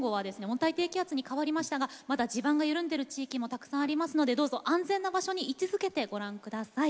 温帯低気圧に変わりましたがまだ地盤が緩んでる地域もたくさんありますのでどうぞ安全な場所に居続けてご覧下さい。